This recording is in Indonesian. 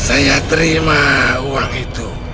saya terima uang itu